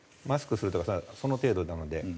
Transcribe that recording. マスクするとかその程度なので。